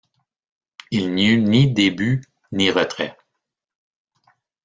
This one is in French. Il n'y eut ni début, ni retrait.